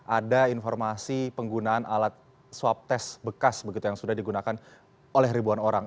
ada informasi penggunaan alat swab tes bekas yang sudah digunakan oleh ribuan orang